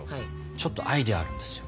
ちょっとアイデアあるんですよ。